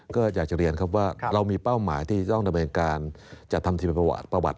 ก็อยากจะเรียนครับว่าเรามีเป้าหมายที่ต้องทำเองการจัดทำทีมประวัติ